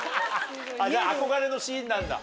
憧れのシーンなんだ？